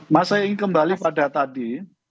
mas saya ingin kembali pada tadi